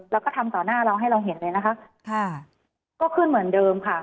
แล้วก็ทำต่อหน้าเราให้เราเห็นเลยนะคะค่ะก็ขึ้นเหมือนเดิมค่ะ